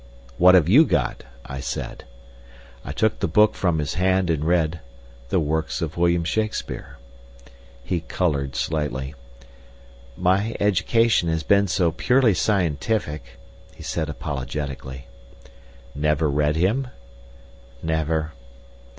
"What have you got?" I said. I took the book from his hand and read, "The Works of William Shakespeare". He coloured slightly. "My education has been so purely scientific—" he said apologetically. "Never read him?" "Never."